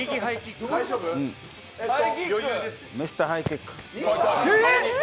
ミスターハイキック。